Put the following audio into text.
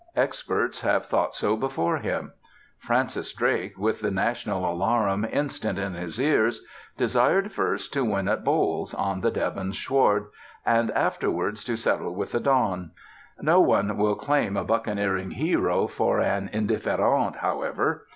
Experts have thought so before him. Francis Drake, with the national alarum instant in his ears, desired first to win at bowls, on the Devon sward, "and afterwards to settle with the Don." No one will claim a buccaneering hero for an indifférent, however.